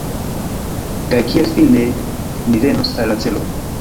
Kaj kiel fine ni venos al la celo?